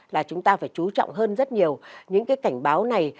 là chúng ta phải chú trọng hơn rất nhiều những cái cảnh báo này